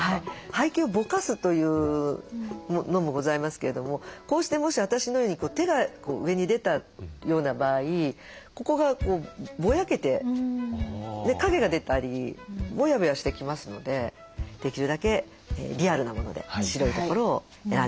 背景をぼかすというのもございますけれどもこうしてもし私のように手が上に出たような場合ここがぼやけて影が出たりぼやぼやしてきますのでできるだけリアルなもので白いところを選んでほしいと思います。